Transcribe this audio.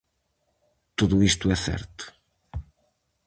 Todo isto é certo.